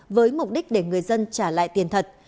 với mục đích để người dân trả lại tiền thật